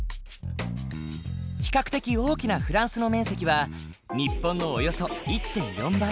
比較的大きなフランスの面積は日本のおよそ１．４倍。